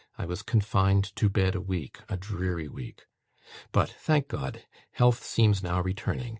I was confined to bed a week, a dreary week. But, thank God! health seems now returning.